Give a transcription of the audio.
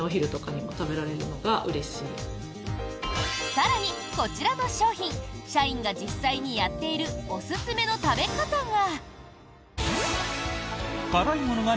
更にこちらの商品社員が実際にやっているおすすめの食べ方が。